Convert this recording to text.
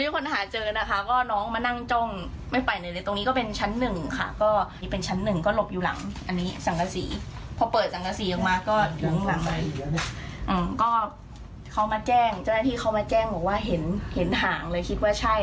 เขามาแจ้งเจ้าหน้าที่เขามาแจ้งบอกว่าเห็นหางเลยคิดว่าใช่